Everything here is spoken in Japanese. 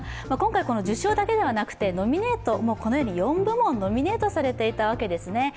今回、受賞だけではなくてノミネートもこのように４部門されていたわけですね。